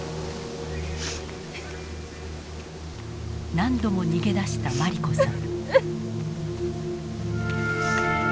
何度も逃げ出した茉莉子さん。